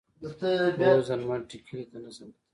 اوس د لمر ټیکلي ته نه شم کتلی.